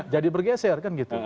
jadi bergeser kan gitu